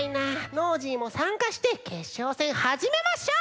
ノージーもさんかしてけっしょうせんはじめましょう！